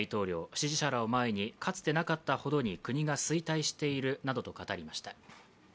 支持者らを前に、かつてなかったほどに国が衰退しているなどと語りました。